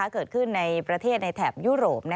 เกิดขึ้นในประเทศในแถบยุโรป